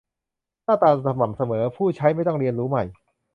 - หน้าตาสม่ำเสมอ ผู้ใช้ไม่ต้องเรียนรู้ใหม่